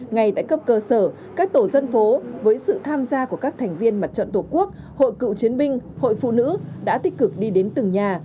ngay tại cấp cơ sở các tổ dân phố với sự tham gia của các thành viên mặt trận tổ quốc hội cựu chiến binh hội phụ nữ đã tích cực đi đến từng nhà